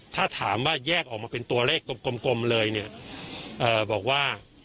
ถ้าถามว่าแยกออกมาเป็นตัวเลขกลมเลยเนี่ยบอกว่า